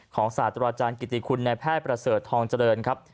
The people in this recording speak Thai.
ศาสตราจารย์กิติคุณในแพทย์ประเสริฐทองเจริญครับ